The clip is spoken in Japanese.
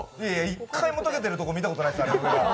１回も溶けてるところ見たことないです。